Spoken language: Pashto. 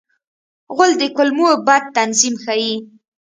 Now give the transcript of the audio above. غول د کولمو بد تنظیم ښيي.